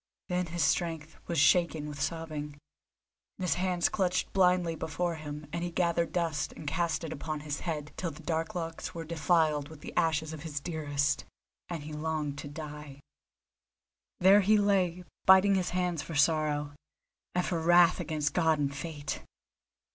Then his strength was shaken with sobbing, and his hands clutched blindly before him, and he gathered dust and cast it upon his head till the dark locks were defiled with the ashes of his dearest, and he longed to die. There he lay, biting his hands for sorrow, and for wrath against God and Fate.